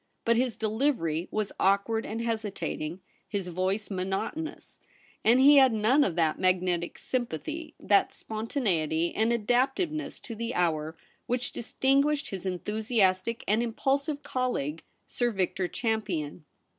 But his delivery was awkward and hesitating, his voice monotonous, and he had none of that magnetic sympathy, that spontaneity and adaptiveness to the hour, which distinguished his enthusiastic and impulsive colleague. Sir Victor Champion.